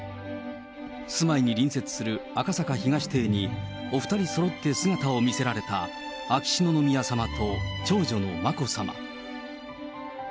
住まいに隣接する赤坂東邸に、お２人そろって姿を見せられた秋篠宮さまと長女の眞子さま。